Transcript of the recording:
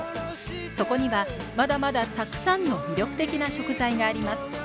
そこにはまだまだたくさんの魅力的な食材があります。